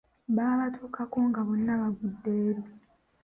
Baabatuukako nga bonna baudde eri.